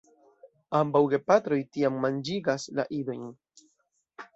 Ambaŭ gepatroj tiam manĝigas la idojn.